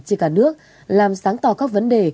trên cả nước làm sáng tỏ các vấn đề